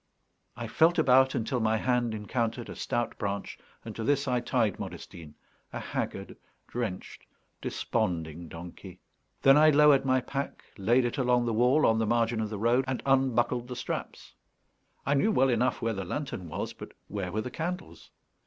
I felt about until my hand encountered a stout branch, and to this I tied Modestine, a haggard, drenched, desponding donkey. Then I lowered my pack, laid it along the wall on the margin of the road, and unbuckled the straps. I knew well enough where the lantern was, but where were the candles?